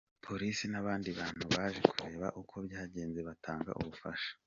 Polisi n’abandi bantu baje kureba uko byagenze batanga ubufasha.